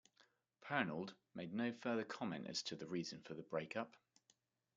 Pernald made no further comment as to the reason for the break-up.